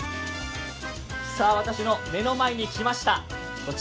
私の目の前に来ました。